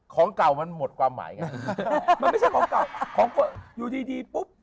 ของเก่ามันหมดความหมายไงมันไม่ใช่ของเก่าของอยู่ดีดีปุ๊บ